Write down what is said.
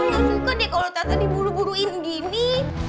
gak suka deh kalau tata diburu buruin gini